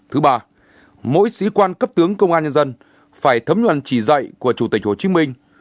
thứ ba mỗi sĩ quan cấp tướng công an nhân dân phải thấm nhuần chỉ dạy của chủ tịch hồ chí minh